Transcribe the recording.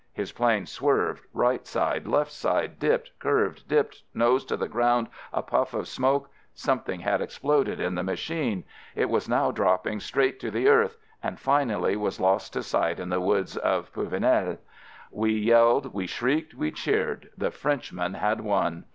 His plane swerved, right side, left side, dipped, curved, dipped, nose to the ground, a puff of smoke — something had exploded in the machine; it was now dropping straight to the earth — and finally was lost to sight in the woods of Puvenelle. We yelled, we shrieked, we cheered, — the French man had won!